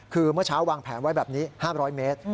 คือเมื่อเช้าวางแผนไว้แบบนี้๕๐๐เมตร